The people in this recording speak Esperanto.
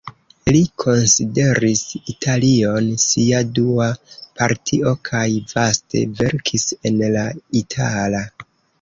Li konsideris Italion sia dua patrio kaj vaste verkis en la itala.